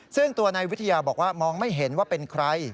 ซึ่งตัวนายวิทยาบอกว่ามองไม่เห็นว่าเป็นใคร